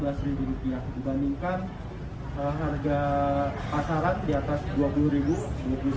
dibandingkan harga pasaran di atas dua puluh dua puluh satu dua puluh tiga